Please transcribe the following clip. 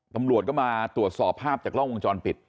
ตำรวจก็มาตรวจสอบภาพจากกล้องวงจรปิด